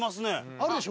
あるでしょ？